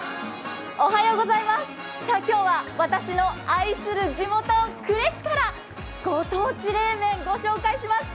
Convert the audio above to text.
今日は私の愛する地元、呉市からご当地冷麺ご紹介します